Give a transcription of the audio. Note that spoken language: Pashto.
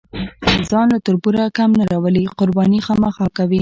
ځان له تربوره کم نه راولي، قرباني خامخا کوي.